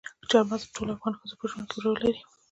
چار مغز د ټولو افغان ښځو په ژوند کې رول لري.